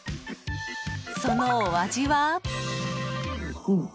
そのお味は？